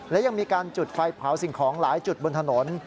และยังมีการจุดไฟเผาสิ่งของหลายจุดบนถนน